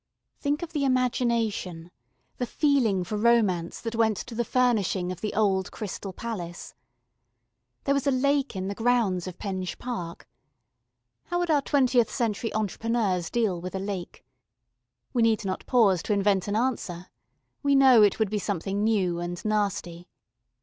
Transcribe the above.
... Think of the imagination, the feeling for romance that went to the furnishing of the old Crystal Palace. There was a lake in the grounds of Penge Park. How would our twentieth century entrepreneurs deal with a lake? We need not pause to invent an answer. We know it would be something new and nasty.